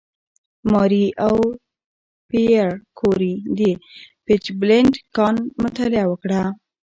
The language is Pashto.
ماري او پېیر کوري د «پیچبلېند» کان مطالعه وکړه.